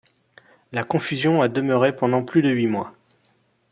La confusion a demeuré pendant plus de huit mois.